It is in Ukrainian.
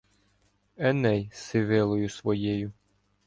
Еней з Сивиллою своєю